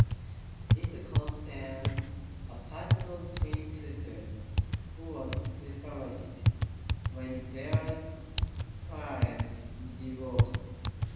It concerns a pair of twin sisters who are separated, when their parents divorce.